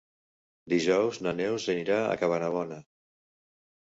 Dijous na Neus anirà a Cabanabona.